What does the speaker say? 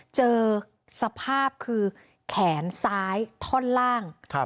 เจอสภาพคือแขนซ้ายท่อนล่าง